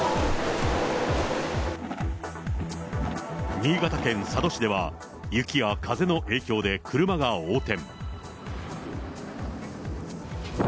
新潟県佐渡市では、雪や風の影響で車が横転。